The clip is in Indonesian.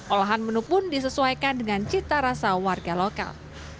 olahan menu pun disesuaikan dengan cita rasa warga lokal